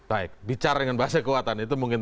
baik bicara dengan bahasa kekuatan itu mungkin